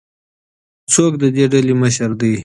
څوک د ډلي مشر دی؟